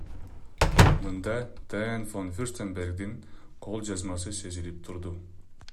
Мында Дайан фон Фюрстенбергдин кол жазмасы сезилип турду.